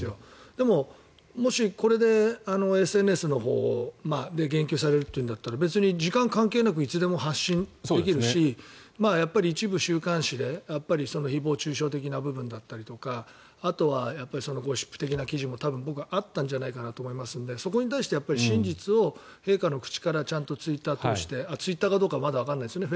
でも、もしこれでＳＮＳのほうで言及されるというんだったら別に時間関係なくいつでも発信できるしやっぱり一部週刊誌で誹謗・中傷的な部分だったりとかあとは、ゴシップ的な記事もあったんじゃないかなと思いますのでそこに対して真実を陛下の口からちゃんとツイッターを通してツイッターかどうかまだわからないですよね